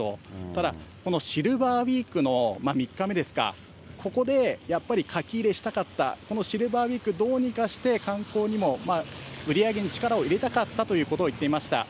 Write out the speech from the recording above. ただ、シルバーウィークの３日目ですか、ここでやっぱり書き入れしたかった、シルバーウィーク、どうにかして観光にも、売り上げに力を入れたかったということを言っていました。